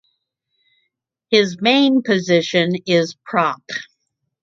His main position is prop.